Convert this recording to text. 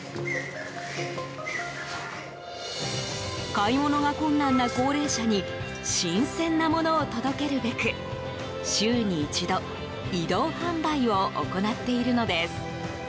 買い物が困難な高齢者に新鮮なものを届けるべく週に一度移動販売を行っているのです。